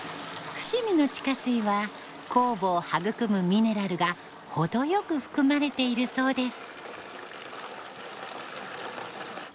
伏見の地下水は酵母を育むミネラルが程よく含まれているそうです。